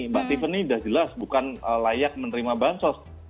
mbak tiffany udah jelas bukan layak menerima bantuan sosial